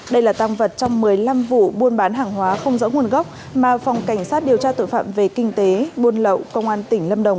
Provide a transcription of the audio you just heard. đây là tăng vật trong một mươi năm vụ buôn bán hàng hóa không rõ nguồn gốc mà phòng cảnh sát điều tra tội phạm về kinh tế buôn lậu công an tỉnh lâm đồng